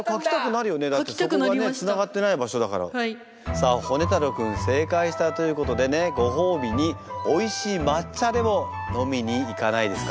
さあホネ太郎君正解したということでねご褒美においしい抹茶でも飲みに行かないですか？